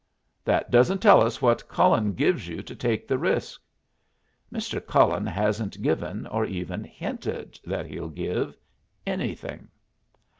"That doesn't tell us what Cullen gives you to take the risk." "Mr. Cullen hasn't given, or even hinted that he'll give, anything."